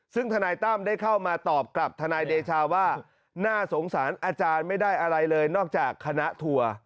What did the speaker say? ซึ่งทนายตั้มได้เข้ามาตอบกลับทนายเดชาว่าน่าสงสารอาจารย์ไม่ได้อะไรเลยนอกจากคณะทัวร์